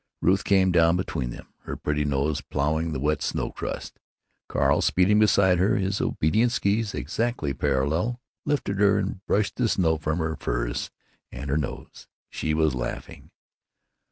Ruth came down between them, her pretty nose plowing the wet snow crust. Carl, speeding beside her, his obedient skees exactly parallel, lifted her and brushed the snow from her furs and her nose. She was laughing.